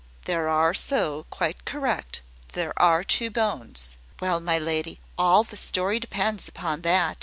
"There are so. Quite correct. There are two bones." "Well, my lady, all the story depends upon that.